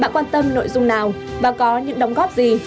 bạn quan tâm nội dung nào và có những đóng góp gì